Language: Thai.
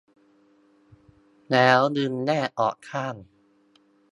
แล้วดึงแยกออกข้าง